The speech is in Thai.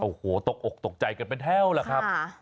โอ้โหตกอกตกใจกันเป็นแถวล่ะครับ